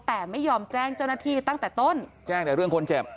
แต่ไม่ยอมแจ้งเจ้าหน้าที่ตั้งแต่ต้นแจ้งแต่เรื่องคนเจ็บ